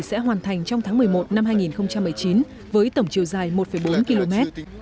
sử dụng rác thải nhựa sẽ hoàn thành trong tháng một mươi một năm hai nghìn một mươi chín với tổng chiều dài một bốn km